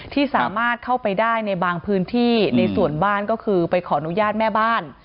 ที่สามารถเข้าไปได้ในบางพื้นที่ในส่วนบ้านก็คือไปขออนุญาตแม่บ้าน